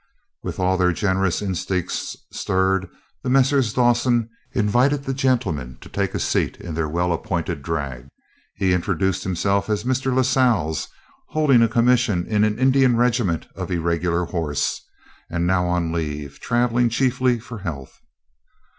With all their generous instincts stirred, the Messrs. Dawson invited the gentleman to take a seat in their well appointed drag. He introduced himself as Mr. Lascelles, holding a commission in an Indian regiment of Irregular Horse, and now on leave, travelling chiefly for health.